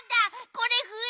これふえ？